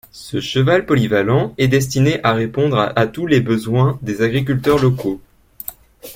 Ce cheval polyvalent est destiné à répondre à tous les besoins des agriculteurs locaux.